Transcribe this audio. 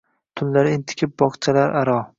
Tunlari entikib bog’chalar aro: